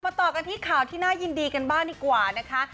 ต่อกันที่ข่าวที่น่ายินดีกันบ้างดีกว่านะคะ